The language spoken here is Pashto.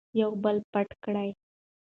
یو بل پټ کړئ.